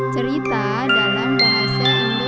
cerita dalam bahasa indonesia